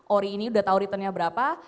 ori ini sudah tau returnnya berapa